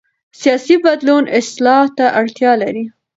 سیاسي بدلون اصلاح ته اړتیا لري